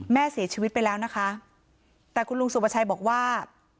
แม่เสียชีวิตไปแล้วนะคะแต่คุณลุงสุประชัยบอกว่า